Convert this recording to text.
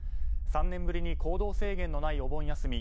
３年ぶりに行動制限のないお盆休み。